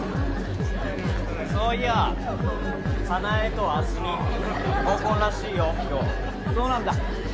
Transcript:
・そういや早苗と明日美合コンらしいよ今日そうなんだ